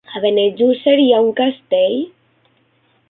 A Benejússer hi ha un castell?